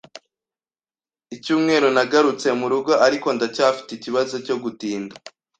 Icyumweru nagarutse murugo, ariko ndacyafite ikibazo cyo gutinda.